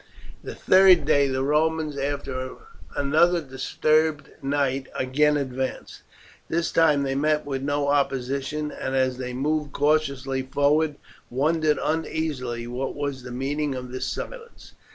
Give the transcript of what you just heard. The third day the Romans, after another disturbed night, again advanced. This time they met with no opposition, and as they moved cautiously forward, wondered uneasily what was the meaning of this silence.